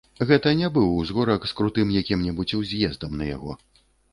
Гэта не быў узгорак з крутым якім-небудзь уз'ездам на яго.